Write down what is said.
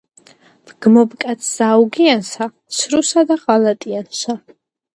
ვგმობ კაცსა აუგიანსა, ცრუსა და ღალატიანსა;